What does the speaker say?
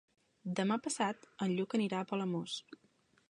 Demà passat en Lluc anirà a Palamós.